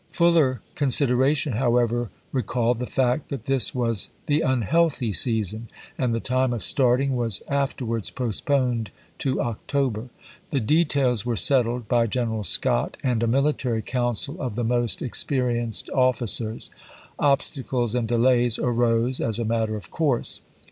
Fuller consideration, however, recalled the fact that this was the unhealthy season, and the time of starting was afterwards postponed to October. isei. The details were settled by General Scott and a military council of the most experienced officers. Obstacles and delays arose, as a matter of course.